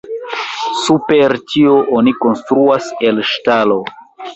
Super tio oni konstruas el ŝtalo.